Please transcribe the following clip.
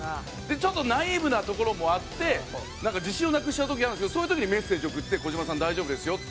ちょっとナイーブなところもあってなんか自信をなくしちゃう時あるんですけどそういう時にメッセージを送って「小島さん大丈夫ですよ」って。